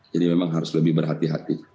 jadi memang harus lebih berhati hati